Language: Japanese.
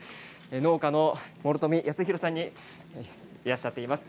農家の諸冨康弘さんいらっしゃっています。